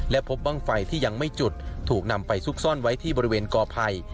และพบบ้างไฟที่ยังไม่จุดถูกนำไปซุกซ่อนไว้ที่บริเวณกอภัย